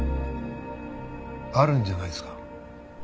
あるんじゃないですか？